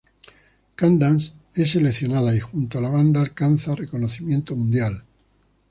Candace es seleccionada y junto a la banda alcanza reconocimiento mundial.